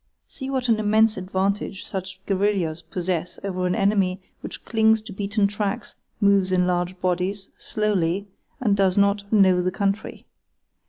See what an immense advantage such guerillas possess over an enemy which clings to beaten tracks, moves in large bodies, slowly, and does not "know the country".